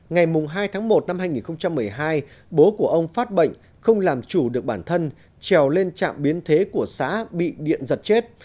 ngày hai tháng một năm hai nghìn một mươi hai bố của ông phát bệnh không làm chủ được bản thân trèo lên trạm biến thế của xã bị điện giật chết